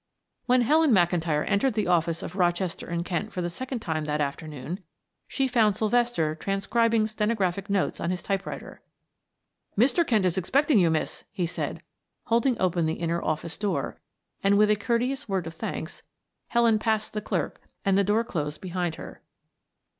When Helen McIntyre entered the office of Rochester and Kent for the second time that afternoon she found Sylvester transcribing stenographic notes on his typewriter. "Mr. Kent is expecting you, miss," he said, holding open the inner office door, and with a courteous word of thanks, Helen passed the clerk and the door closed behind her.